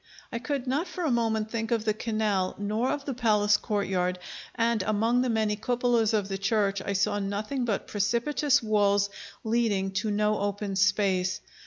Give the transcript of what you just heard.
I could not for a moment think of the canal, nor of the palace courtyard, and among the many cupolas of the church I saw nothing but precipitous walls leading to no open space.